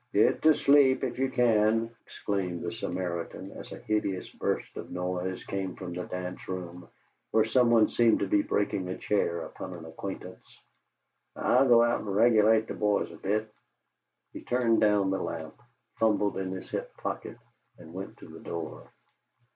"Git to sleep if ye can!" exclaimed the Samaritan, as a hideous burst of noise came from the dance room, where some one seemed to be breaking a chair upon an acquaintance. "I'll go out and regulate the boys a bit." He turned down the lamp, fumbled in his hip pocket, and went to the door.